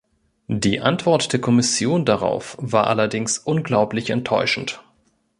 Die Antwort der Kommission darauf war allerdings unglaublich enttäuschend.